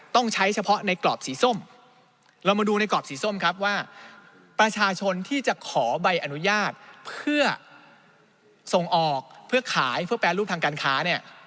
ต้องใช้เฉพาะในกรอบสีส้มเรามาดูในกรอบสีส้มครับว่าประชาชนที่จะขอใบอนุญาตเพื่อส่งออกเพื่อขายเพื่อแปรรูปทางการค้าเนี่ย